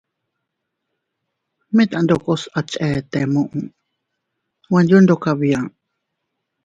Mit andokos a chete muʼu nweyo ndokas bia.